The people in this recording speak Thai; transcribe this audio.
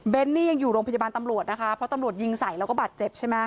นี่ยังอยู่โรงพยาบาลตำรวจนะคะเพราะตำรวจยิงใส่แล้วก็บาดเจ็บใช่ไหม